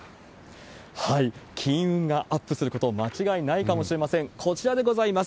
金運がアップすること間違いないかもしれません、こちらでございます。